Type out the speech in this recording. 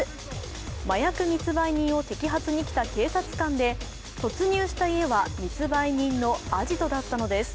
麻薬密売人を摘発に来た警察官で、突入した家は密売人のアジトだったのです。